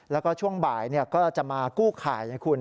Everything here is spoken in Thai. แล้วก็ช่วงบ่ายก็จะมากู้ข่ายให้คุณ